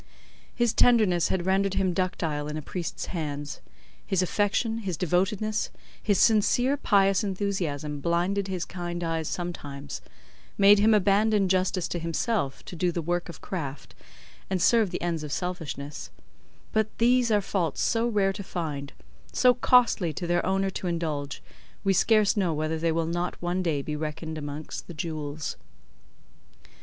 His tenderness had rendered him ductile in a priest's hands, his affection, his devotedness, his sincere pious enthusiasm blinded his kind eyes sometimes, made him abandon justice to himself to do the work of craft, and serve the ends of selfishness; but these are faults so rare to find, so costly to their owner to indulge, we scarce know whether they will not one day be reckoned amongst the jewels.